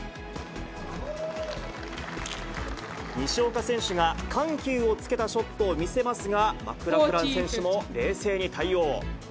西岡選手が緩急をつけたショットを見せますが、マクラクラン選手も冷静に対応。